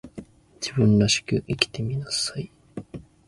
自分らしく生きてみなさい